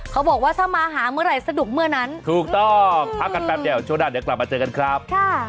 เขาบอกว่าถ้ามาหาเมื่อไหร่สนุกเมื่อนั้นถูกต้องพักกันแป๊บเดียวช่วงหน้าเดี๋ยวกลับมาเจอกันครับ